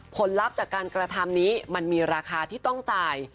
ผลลัพธ์จากการกระทำนี้มันมีราคาที่ต้องจ่าย